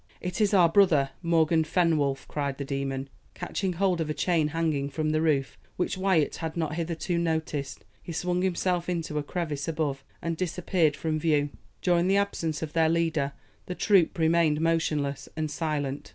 "It is our brother, Morgan Fenwolf," cried the demon. Catching hold of a chain hanging from the roof, which Wyat had not hitherto noticed, he swung himself into a crevice above, and disappeared from view. During the absence of their leader the troop remained motionless and silent.